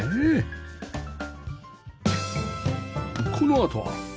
このあとは